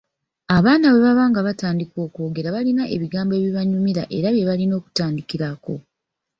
Abaana bwe baba nga batandika okwogera balina ebigambo ebibanguyira era bye balina okutandikirako.